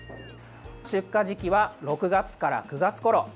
出荷時期は、６月から９月ごろ。